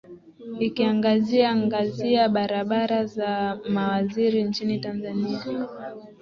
akiangazia ngazia baraza la mawaziri nchini tanzania